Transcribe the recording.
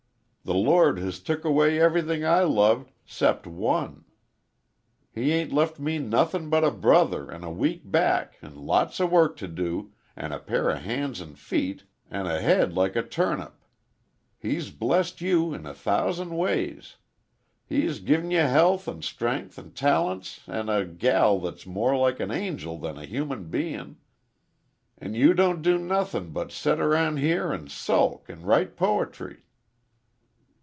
The Lord has took away ev'rything I loved 'cept one. He 'ain't left me nothin' but a brother an' a weak back an' lots o' work t' do, an' a pair o' hands an' feet an' a head like a turnup. He's blessed you in a thousan' ways. He's gi'n ye health an' strength an' talents an' a? gal that's more like an angel than a human bein', an' you don't do nothin' but set aroun' here an' sulk an' write portry!"